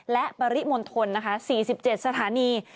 และปริมณฑล๔๗สถานี